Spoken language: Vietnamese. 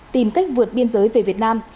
tìm cách vượt biên giới về việt nam